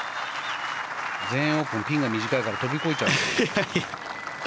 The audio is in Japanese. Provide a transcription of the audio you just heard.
全英オープンはピンが短いから飛び越えちゃうね。